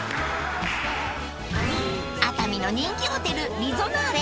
［熱海の人気ホテルリゾナーレ